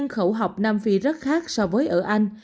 khoa học nam phi rất khác so với ở anh